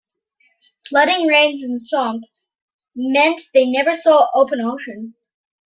Flooding rains and swamps meant they never saw open ocean.